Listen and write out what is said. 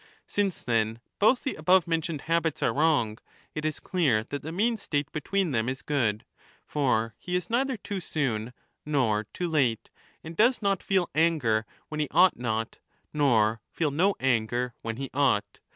Since, then, both the above mentioned habits are wrong, it is clear that the mean state between them is good ; for he is neither too soon nor too late, and does not feel anger when he ought not, nor_feel rio_anger^when he ought.